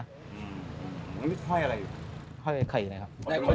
อันนี้ห้อยอะไรอยู่ห้อยไอ้ไข่เลยครับ